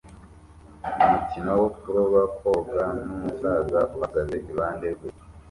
umukino wo kuroba koga numusaza uhagaze iruhande rwe